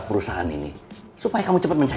kalau misalnya ditanya